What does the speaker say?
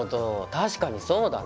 確かにそうだね。